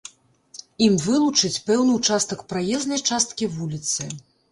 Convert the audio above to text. Ім вылучаць пэўны ўчастак праезнай часткі вуліцы.